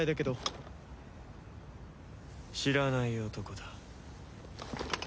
知らない男だ。